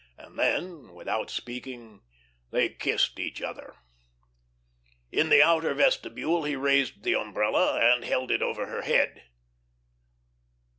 And then, without speaking, they kissed each other. In the outer vestibule, he raised the umbrella and held it over her head.